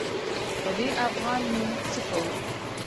په دې افغان نو څه کوو.